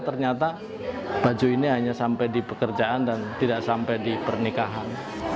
ternyata baju ini hanya sampai di pekerjaan dan tidak sampai di pernikahan